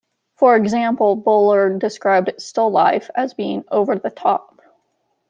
For example, Buller described "Still Life" as being "over-the-top.